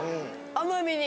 甘みに。